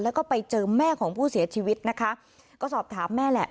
แล้วก็ไปเจอแม่ของผู้เสียชีวิตนะคะก็สอบถามแม่แหละ